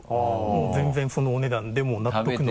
もう全然そのお値段でも納得の。